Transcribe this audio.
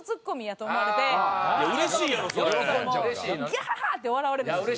ギャハハ！って笑われるんですよ